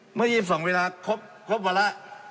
เมื่อ๒๒เวลาครบครบวันละ